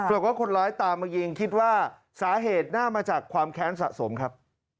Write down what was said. บอกว่าคนร้ายตามมายิงคิดว่าสาเหตุน่าจะมาจากความแค้นสะสมครับ